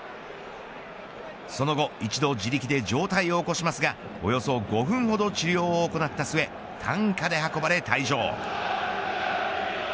その後、一度自力で状態を起こしますがおよそ５分ほど治療を行った末担架で運ばれ退場。